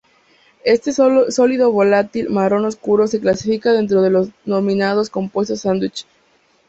Este sólido volátil, marrón oscuro, se clasifica dentro de los denominados compuestos sándwich.